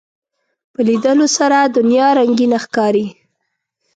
په لیدلو سره دنیا رنگینه ښکاري